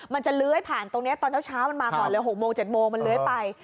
มันจะเลื้อยผ่านตรงนี้ตอนเช้ามันมาก่อนเลย๖โมง๗โมงมันเลื้อยไป